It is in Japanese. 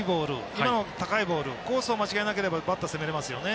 今の高いボールコースを間違えなければバッター、攻めれますよね。